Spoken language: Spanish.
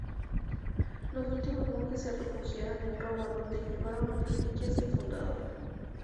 Los últimos monjes se refugiaron en Roma, donde llevaron las reliquias del fundador.